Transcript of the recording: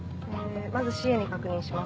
まずＣＡに確認します。